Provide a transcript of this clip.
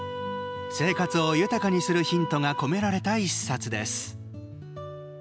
生活を豊かにするヒントが込められた１冊です。